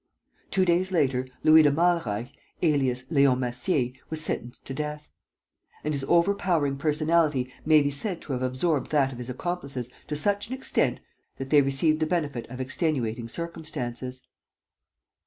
Two days later, Louis de Malreich, alias Leon Massier was sentenced to death. And his overpowering personality may be said to have absorbed that of his accomplices to such an extent that they received the benefit of extenuating circumstances.